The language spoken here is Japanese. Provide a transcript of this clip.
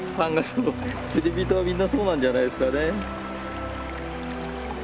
釣り人はみんなそうなんじゃないですかね。